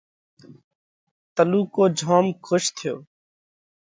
تلُوڪو جوم کُش ٿيو۔